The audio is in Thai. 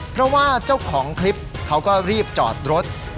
เพราะว่าเจ้าของคลิปเขาก็รีบจอดรถ